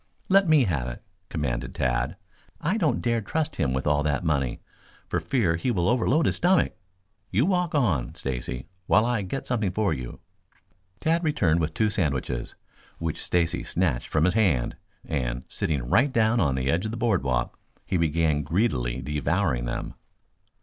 "Let me have it," commanded Tad. "I don't dare trust him with all that money for fear he will overload his stomach. You walk on, Stacy, while I get something for you." Tad returned with two sandwiches, which Stacy snatched from his hand, and, sitting right down on the edge of the boardwalk, he began greedily devouring them.